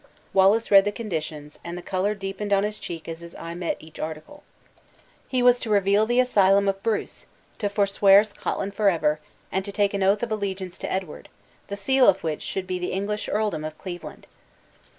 Wallace read the conditions, and the color deepened on his cheek as his eye met each article. "He was to reveal the asylum of Bruce, to forswear Scotland forever, and to take an oath of allegiance to Edward, the seal of which should be the English earldom of Cleveland!"